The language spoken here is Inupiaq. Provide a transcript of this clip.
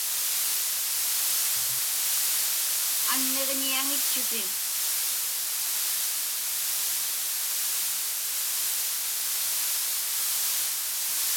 Anniġñiaŋitchutin.